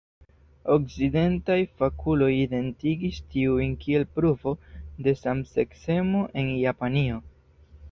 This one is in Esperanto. Okcidentaj fakuloj identigis tiujn kiel pruvo de samseksemo en Japanio.